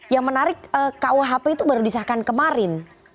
yang menarik kuhp itu baru disahkan kemarin